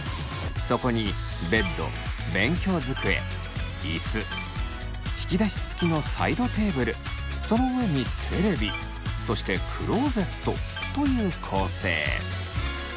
そこにベッド勉強机椅子引き出し付きのサイドテーブルその上にテレビそしてクローゼットという構成。